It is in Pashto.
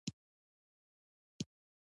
دوی له رقیبانو سره همسویه ښييل